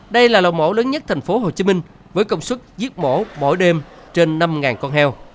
đây là lò mổ lớn nhất tp hcm với công suất giết mổ mỗi đêm trên năm con heo